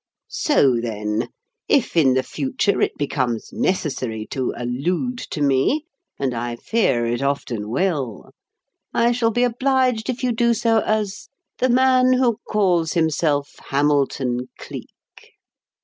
So, then, if in the future it becomes necessary to allude to me and I fear it often will I shall be obliged if you do so as 'The Man Who Calls Himself Hamilton Cleek.'